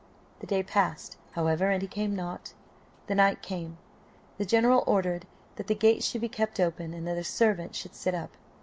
The day passed, however, and he came not the night came. The general ordered that the gate should be kept open, and that a servant should sit up.